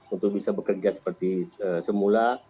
untuk bisa bekerja seperti semula